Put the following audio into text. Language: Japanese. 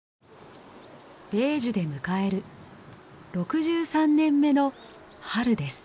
米寿で迎える６３年目の春です。